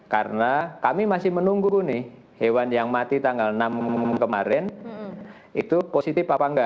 karena kami masih menunggu nih hewan yang mati tanggal enam minggu kemarin itu positif apa enggak